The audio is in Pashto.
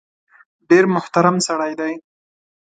ډېر محترم سړی دی .